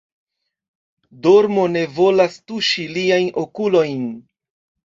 Dormo ne volas tuŝi liajn okulojn.